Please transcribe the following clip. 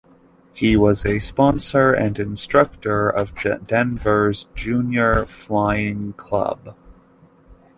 He was a sponsor and instructor of Denver's Junior Flying Club.